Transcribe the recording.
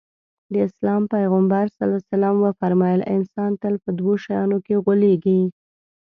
د اسلام پيغمبر ص وفرمايل انسان تل په دوو شيانو کې غولېږي.